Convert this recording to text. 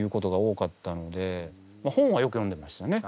本はよく読んでましたね。